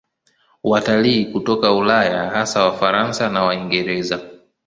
Watalii hutoka Ulaya, hasa Wafaransa na Waingereza.